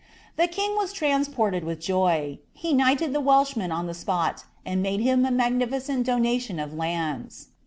The king was transported with joy ; he knighted the Welshman on the spot, and made him a magnificent donation of iHlds.'